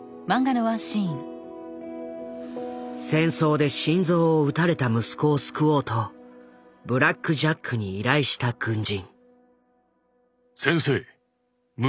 戦争で心臓を撃たれた息子を救おうとブラック・ジャックに依頼した軍人。